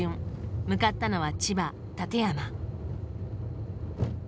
向かったのは千葉・館山。